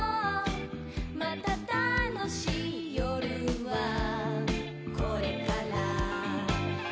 「また楽しい夜はこれから」